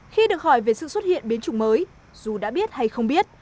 khi được hỏi về sự xuất hiện biến chủng mới dù đã biết hay không biết